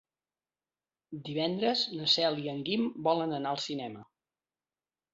Divendres na Cel i en Guim volen anar al cinema.